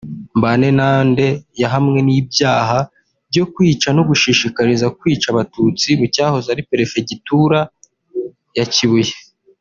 Mbanenande yahamwe n’ibyaha byo kwica no gushishikariza kwica abatutsi mu cyahoze ari perefegitura ya Kibuye